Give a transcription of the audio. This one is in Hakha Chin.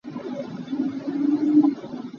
Hma a men cuahmah mi sayamah khi ka far a si.